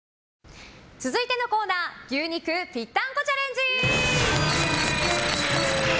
続いてのコーナー牛肉ぴったんこチャレンジ！